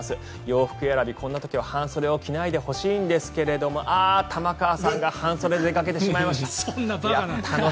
洋服選び、こんな時は半袖を着ないでほしいんですが玉川さんが半袖で出かけてしまいました。